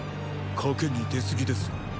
賭けに出すぎです。